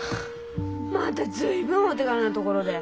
また随分お手軽なところで。